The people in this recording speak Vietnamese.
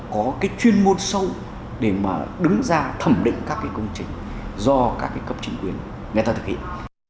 có cái chuyên môn sâu để mà đứng ra thẩm định các cái công trình do các cái cấp chính quyền người ta thực hiện